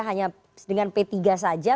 hanya dengan p tiga saja